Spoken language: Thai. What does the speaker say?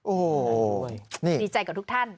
โอ้โหดีใจกับทุกท่าน